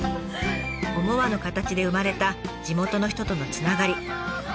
思わぬ形で生まれた地元の人とのつながり。